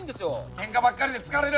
ケンカばっかりで疲れる！